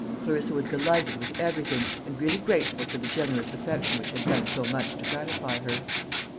Clarissa was delighted with everything, and really grateful for the generous affection which had done so much to gratify her.